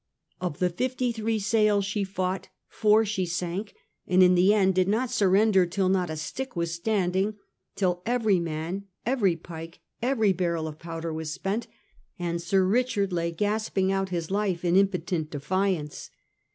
Of the fifty three sail she fought, four she sank, and in the end did not surrender till not a stick was standing, till every man, every pike, every barrel of powder was spent^ and Sir Eichard lay gasping out his life in impotent defiance.